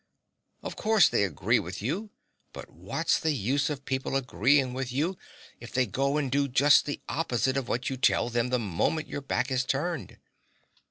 Of course they agree with you; but what's the use of people agreeing with you if they go and do just the opposite of what you tell them the moment your back is turned?